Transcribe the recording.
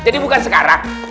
jadi bukan sekarang